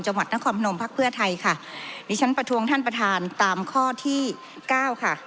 จังหวัดนครพนมพักเพื่อไทยค่ะดิฉันประท้วงท่านประธานตามข้อที่เก้าค่ะ